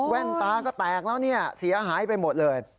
ตาก็แตกแล้วเนี่ยเสียหายไปหมดเลย